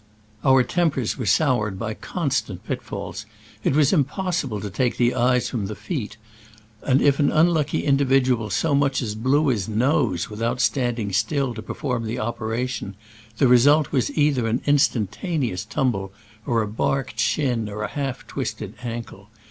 Our tempers were soured by constant pitfalls : it was im possible to take the eyes from the feet, and if an unlucky individual so much as blew his nose without standing still to perform the operation, the result was either an instantaneous tumble or a barked shin or a half twisted ankle.